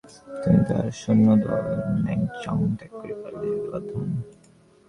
তিনি তার সৈন্যদল সহ নানচ্যাং ত্যাগ করে পালিয়ে যেতে বাধ্য হন।